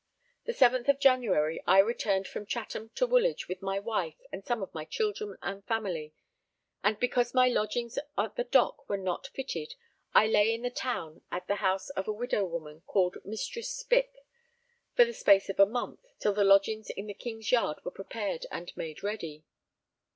The seventh of January, I returned from Chatham to Woolwich with my wife and some of my children and family; and because my lodgings at the Dock were not fitted, I lay in the town at the house of a widow woman called Mistress Spicke, for the space of a month, till the lodgings in the King's Yard were prepared and made ready.